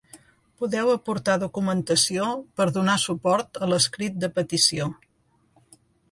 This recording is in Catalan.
Podeu aportar documentació per donar suport a l'escrit de petició.